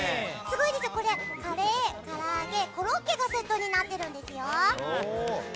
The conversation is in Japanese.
カレー、から揚げ、コロッケがセットになってるんですよ！